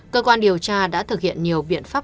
cơ quan điều tra đã thực hiện nhiều biện pháp